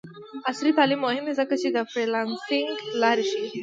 عصري تعلیم مهم دی ځکه چې د فریلانسینګ لارې ښيي.